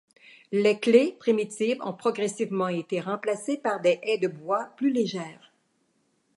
Les claies primitives ont progressivement été remplacées par des haies de bois plus légères.